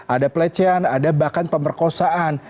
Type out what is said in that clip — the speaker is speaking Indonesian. ada pelecehan ada bahkan pemerkosaan